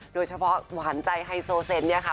โดยเฉพาะหวานใจไฮโซเซนเนี่ยค่ะ